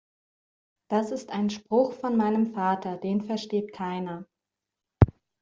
Das ist ein Spruch von meinem Vater. Den versteht keiner.